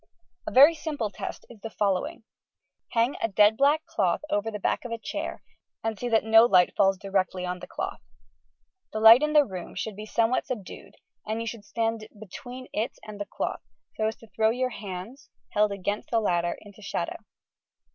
A very simple test is the following: — Hang a dead black cloth over the back of a chair and see that no light falls directly on the cloth. The light in the room should be somewhat subdued and you should stand between it and the cloth, so as to throw your hands, held against the latter, into shadow.